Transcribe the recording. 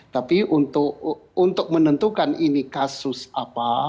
tapi untuk menentukan ini kasus apa